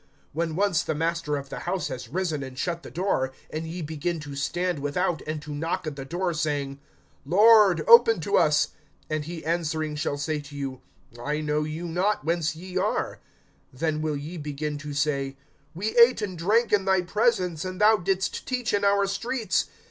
(25)When once the master of the house has risen and shut the door, and ye begin to stand without, and to knock at the door, saying, Lord, open to us, and he answering shall say to you, I know you not whence ye are; (26)then will ye begin to say, We ate and drank in thy presence, and thou didst teach in our streets.